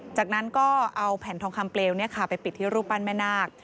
จากนั้นก็เอาแผ่นทองคำเปลวไปปิดที่รูปปั้นแม่นาค